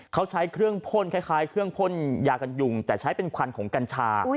เขาใช้เครื่องพ่นคล้ายเครื่องพ่นยากันยุงแต่ใช้เป็นควันของกัญชา